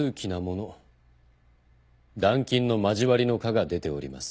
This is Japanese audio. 「断琴の交わり」の卦が出ております。